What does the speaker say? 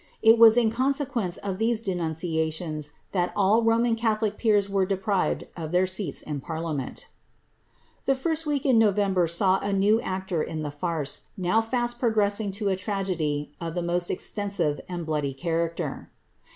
h was in consequence of these denunciations that all riiTT^an r.iLhulic peers were deprived of their seats in parliament T^e rirss week in Xoveinbt r saw a new actor in the farce, now list \r Lrt'isinir to a t:ai:idy v\' i!ie most extensive and blooily character.